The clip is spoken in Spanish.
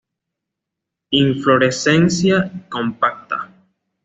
Inflorescencia compacta.